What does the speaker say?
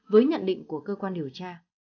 với nhận định của cơ quan điều tra